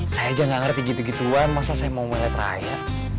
saya aja gak ngerti gitu gituan masa saya mau ngelet rakyat